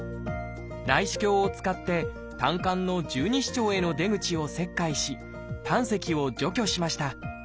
内視鏡を使って胆管の十二指腸への出口を切開し胆石を除去しました。